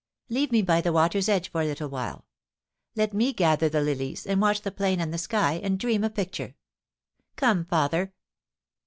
Leave me by the water's edge for a little while. Let me gather the lilies and watch the plain and the sky, and dream a picture. Come, father.'